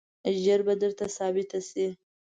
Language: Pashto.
ژر به درته ثابته شي.